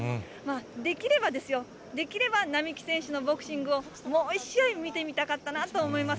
できればですよ、できれば、並木選手のボクシングを、もう１試合、見てみたかったなと思います。